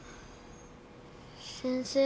先生。